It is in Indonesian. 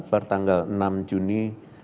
pertanggal enam juni dua ribu dua puluh